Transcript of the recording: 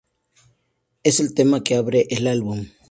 Es el tema que abre el álbum.